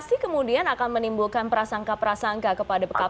pasti kemudian akan menimbulkan prasangka prasangka kepada pkp ujb